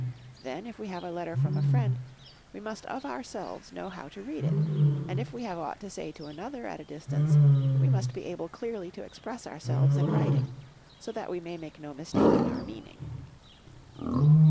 Then, if we have a letter from a friend, we must of ourselves know how to read it, and if we have aught to say to another at a distance, we must be able clearly to express ourselves in writing, so that we may make no mistake in our meaning.